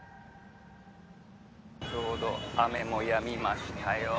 ちょうど雨もやみましたよ。